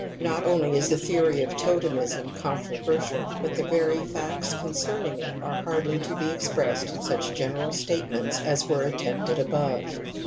Not only is the theory of totemism controversial, but the very facts concerning it are hardly to be expressed in such general statements as were attempted above.